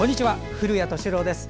古谷敏郎です。